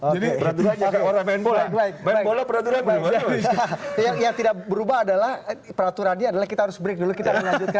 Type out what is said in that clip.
jadi peraturan jangka orang main bola